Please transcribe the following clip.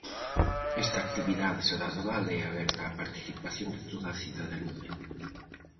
Esta actividade será de balde e aberta á participación de toda a cidadanía.